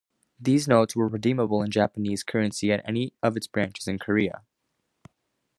These notes were redeemable in "Japanese Currency at any of its Branches in Korea".